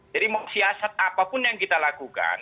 jadi mau siasat apapun yang kita lakukan ya